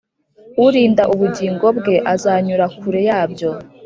urinda ubugingo bwe azanyura kure yabyo